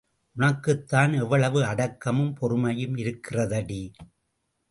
உனக்குத்தான் எவ்வளவு அடக்கமும் பொறுமையும் இருக்கிறதடி!